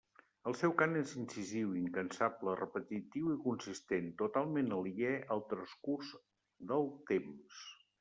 El seu cant és incisiu, incansable, repetitiu i consistent, totalment aliè al transcurs del temps.